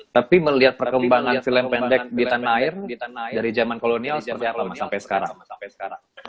tapi melihat perkembangan film pendek di tanah air dari zaman kolonial seperti apa sampai sekarang